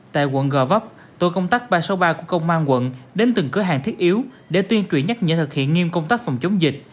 tại quận gò vấp tổ công tác ba trăm sáu mươi ba của công an quận đến từng cửa hàng thiết yếu để tuyên truyền nhắc nhở thực hiện nghiêm công tác phòng chống dịch